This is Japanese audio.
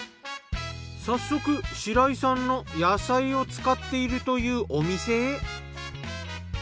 早速白井さんの野菜を使っているというお店へ。